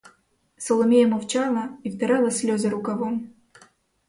Соломія мовчала і втирала сльози рукавом.